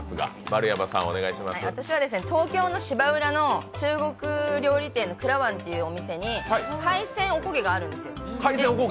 私は、東京の芝浦の中国料理店の倶楽湾っていうお店に海鮮おこげがあるんですよ。